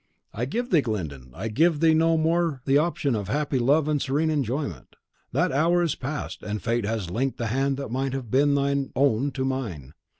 "I give thee, Glyndon, I give thee no more the option of happy love and serene enjoyment. That hour is past, and fate has linked the hand that might have been thine own to mine.